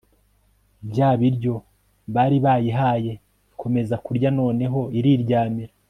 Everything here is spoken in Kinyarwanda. bya biryo bari bayihaye, ikomeza kurya, noneho iriryamira